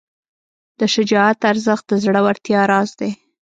د شجاعت ارزښت د زړورتیا راز دی.